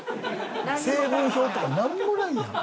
成分表とかなんもないやん。